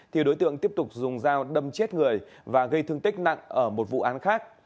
thì đối tượng tiếp tục dùng dao đâm chết người và gây thương tích nặng ở một vụ án khác